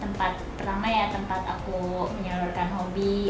tempat pertama ya tempat aku menyalurkan hobi